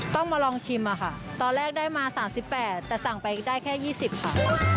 ต้องมาลองชิมอะค่ะตอนแรกได้มา๓๘แต่สั่งไปได้แค่๒๐ค่ะ